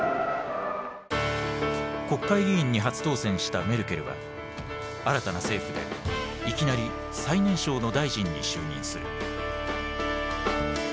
国会議員に初当選したメルケルは新たな政府でいきなり最年少の大臣に就任する。